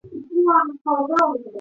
宫田站饭田线的铁路车站。